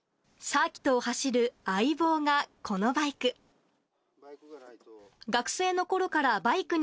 サーキットを走る相棒が、このバイク。